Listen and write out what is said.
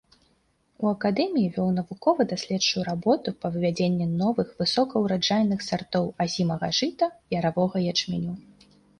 У акадэміі вёў навукова-даследчую работу па вывядзенні новых высокаўраджайных сартоў азімага жыта, яравога ячменю.